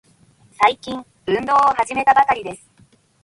最近、運動を始めたばかりです。